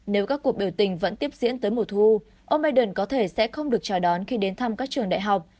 nếu các cuộc biểu tình vẫn tiếp diễn tới mùa thu ông biden có thể sẽ không được chào đón khi đến thăm các trường đại học